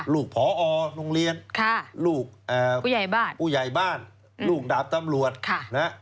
ลูกผอโรงเรียนลูกผู้ใหญ่บ้านลูกดาบตำรวจ